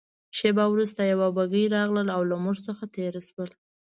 شېبه وروسته یوه بګۍ راغلل او له موږ څخه تېره شول.